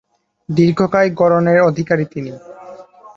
দীর্ঘকায় গড়নের অধিকারী তিনি।